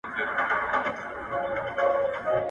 زه خبري کړي دي.